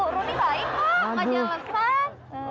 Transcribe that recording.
rudy ga ikut gak jelas kan